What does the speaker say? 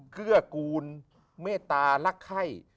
เกื้อกูลเมตตารักไข้